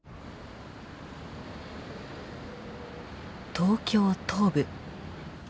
東京・東部。